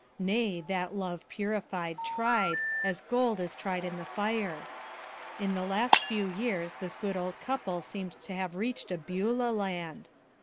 Nay, that love purified, tried, as gold is tried in the fire. In the last few years this good old couple seemed to have reached a Beulah land.